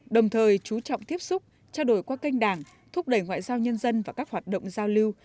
đồng thời chú trọng tiếp xúc trao đổi qua kênh đảng thúc đẩy ngoại giao nhân dân và các hoạt động giao lưu